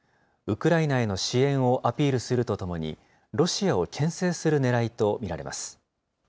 ウクライナへの支援をアピールするとともに、ロシアをけん制するねらいと見られます。